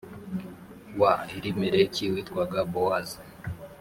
wa elimeleki witwaga bowazi